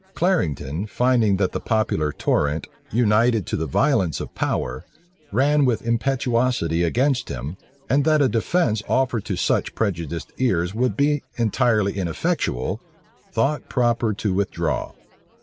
Clarendon, finding that the popular torrent, united to the violence of power, ran with impetuosity against him, and that a defence offered to such prejudiced ears would be entirely ineffectual, thought proper to withdraw.